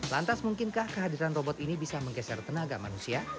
lantas mungkinkah kehadiran robot ini bisa menggeser tenaga manusia